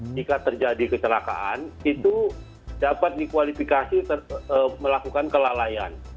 jika terjadi kecelakaan itu dapat dikualifikasi melakukan kelalaian